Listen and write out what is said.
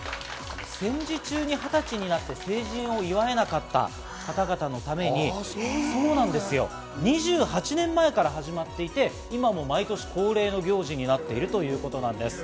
戦時中に二十歳になって成人を祝えなかった方々のために２８年前から始まっていて、今も毎年恒例の行事になっているということです。